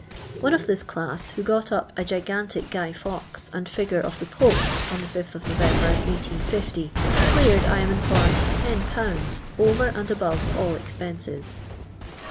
One of this clisi, who got up a gigantic Guy Fawkes and figure of the Pope on the 5th of November, 1850, cleared, I am informed, 10/. over and above all expenses.